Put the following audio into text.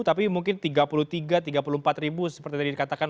tapi mungkin tiga puluh tiga tiga puluh empat ribu seperti tadi dikatakan